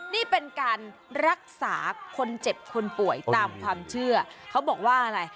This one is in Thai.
นี่เป็นการรักษาคนเจ็บคนป่วยตามความเชื่อเขาบอกว่าอะไร